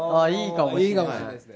いいかもしれないですね。